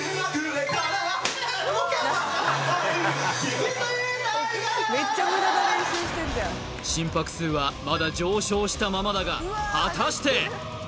でも構わない心拍数はまだ上昇したままだが果たして？